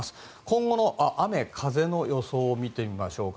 今後の雨風の予想を見てみましょう。